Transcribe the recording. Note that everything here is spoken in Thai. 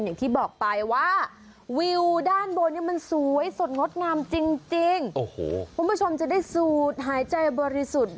อย่างที่บอกไปว่าวิวด้านบนเนี่ยมันสวยสดงดงามจริงโอ้โหคุณผู้ชมจะได้สูดหายใจบริสุทธิ์